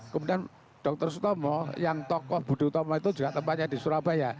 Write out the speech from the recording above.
kemudian dr sutomo yang tokoh budi utomo itu juga tempatnya di surabaya